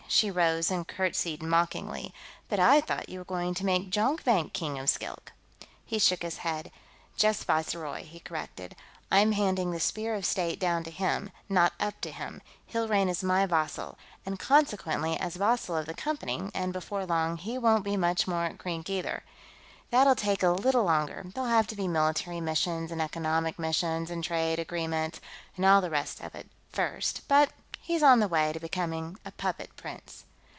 She rose and curtsied mockingly. "But I thought you were going to make Jonkvank King of Skilk." He shook his head. "Just Viceroy," he corrected. "I'm handing the Spear of State down to him, not up to him; he'll reign as my vassal, and, consequently, as vassal of the Company, and before long, he won't be much more at Krink either. That'll take a little longer there'll have to be military missions, and economic missions, and trade agreements, and all the rest of it, first but he's on the way to becoming a puppet prince."